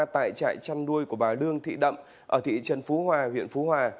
tại trại chăn nuôi của bà lương thị đậm ở thị trấn phú hòa huyện phú hòa